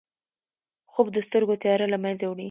خوب د سترګو تیاره له منځه وړي